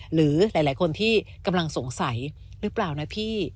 หรือหลายคนที่กำลังสงสัยหรือเปล่านะพี่